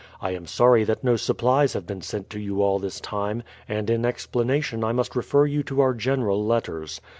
I am sorry that no supplies have been sent to you all this time, and in explanation I must refer you to our general letters.